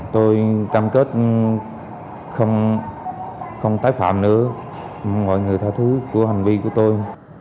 tôi cam kết không tái phạm nữa mọi người theo thứ của hành vi của tôi